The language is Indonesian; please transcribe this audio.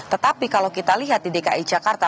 tetapi kalau kita lihat di dki jakarta